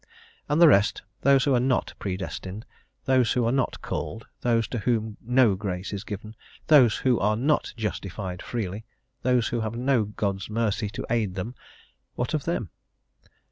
And the rest those who are not predestined; those who are not called; those to whom no grace is given; those who are not justified freely; those who have no God's mercy to aid them; what of them?